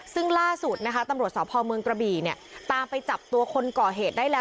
ซึ่งล่าสุดนะคะตำรวจสพเมืองกระบี่เนี่ยตามไปจับตัวคนก่อเหตุได้แล้ว